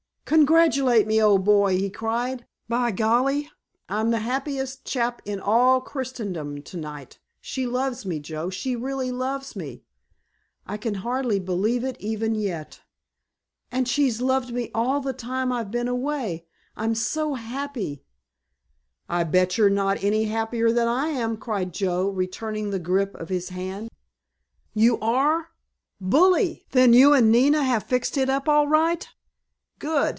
"Congratulate me, old boy," he cried; "by golly, I'm the happiest chap in all Christendom to night. She loves me, Joe, she really loves me. I can hardly believe it even yet. And she's loved me all the time I've been away. I'm so happy——" "I'll bet you're not any happier than I am," cried Joe, returning the grip of his hand. "You are? Bully! Then you and Nina have fixed it up all right? Good!